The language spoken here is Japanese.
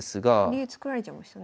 竜作られちゃいましたね。